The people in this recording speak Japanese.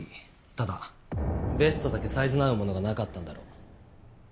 ただベストだけサイズの合うものがなかったんだろう。